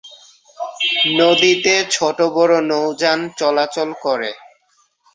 নদীতে ছোটবড় নৌযান চলাচল করে।